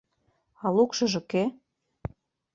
А лукшыжо кӧ?